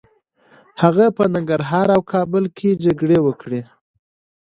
هغه په ننګرهار او کابل کي جګړې وکړې.